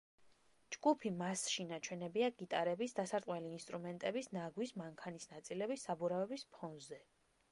ჯგუფი მასში ნაჩვენებია გიტარების, დასარტყმელი ინსტრუმენტების, ნაგვის, მანქანის ნაწილების, საბურავების ფონზე.